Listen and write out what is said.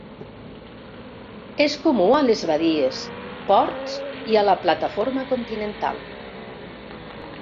És comú a les badies, ports i a la plataforma continental.